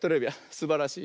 すばらしい。